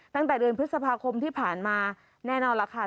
ตั้งแต่เดือนพฤษภาคมที่ผ่านมาแน่นอนล่ะค่ะ